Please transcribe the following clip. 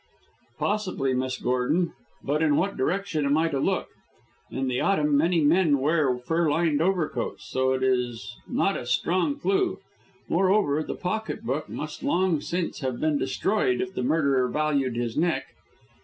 "Possibly, Miss Gordon. But in what direction am I to look. In the autumn many men wear fur lined overcoats, so that is not a strong clue. Moreover, the pocket book must long since have been destroyed if the murderer valued his neck.